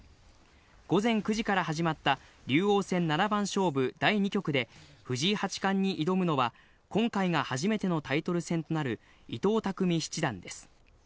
午前９時から始まった、竜王戦七番勝負第２局で藤井八冠に挑むのは、今回が初めてのタイトル戦となる伊藤匠七段です。